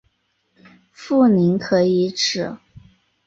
富临可以指